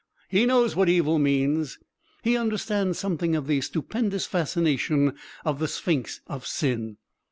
"He knows what Evil means he understands something of the Stupendous Fascination of the Sphinx of Sin.